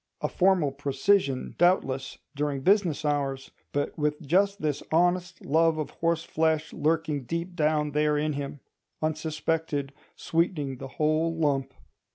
A formal precisian, doubtless, during business hours; but with just this honest love of horseflesh lurking deep down there in him—unsuspected, sweetening the whole lump.